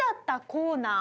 コーナー。